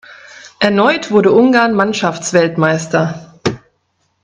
Erneut wurde Ungarn Mannschaftsweltmeister.